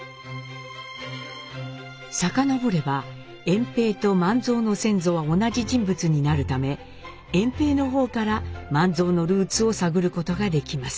遡れば円平と万蔵の先祖は同じ人物になるため円平の方から万蔵のルーツを探ることができます。